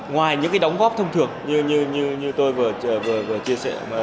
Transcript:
ngoài những cái đóng góp thông thường như tôi vừa chia sẻ